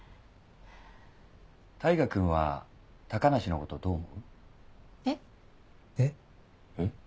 大牙君は高梨のことどう思う？